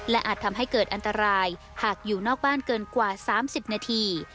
อาจทำให้เกิดอันตรายหากอยู่นอกบ้านเกินกว่า๓๐นาที